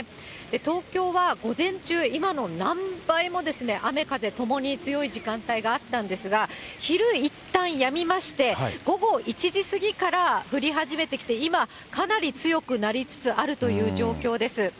東京は午前中、今の何倍も雨風ともに強い時間帯があったんですが、昼、いったんやみまして、午後１時過ぎから降り始めてきて、今、かなり強くなりつつあるという状況です。